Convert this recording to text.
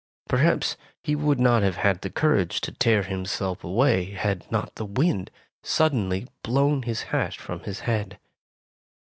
Perhaps he would not have had the courage to tear himself away had not the wind suddenly blown his hat from his head.